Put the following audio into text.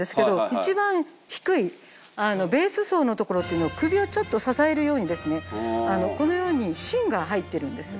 一番低いベース層の所って首をちょっと支えるようにこのように芯が入ってるんです。